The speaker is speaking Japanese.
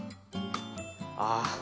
ああ！